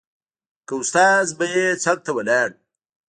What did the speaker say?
که استاد به يې څنګ ته ولاړ و.